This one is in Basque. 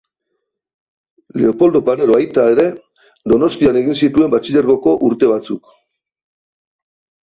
Leopoldo Panero aita ere Donostian egin zituen Batxilergoko urte batzuk.